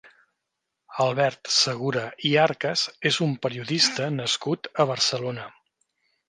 Albert Segura i Arcas és un periodista nascut a Barcelona.